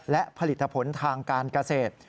และผลิตผลทางการเกษตร